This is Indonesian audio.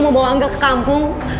mau bawa ambil ke kampung